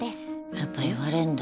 やっぱ言われんだ。